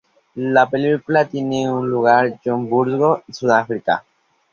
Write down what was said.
La película tiene lugar en Johannesburgo, Sudáfrica.